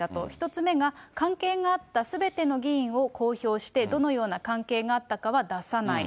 １つ目が関係があったすべての議員を公表してどのような関係があったかは出さない。